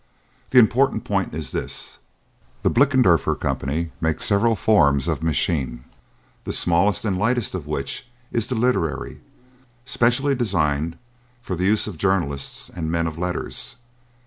The important point is this: the Blickensderfer Company make several forms of machine, the smallest and lightest of which is the literary, specially designed for the use of journalists and men of letters.